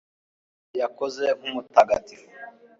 tom yakoze nk'umutagatifu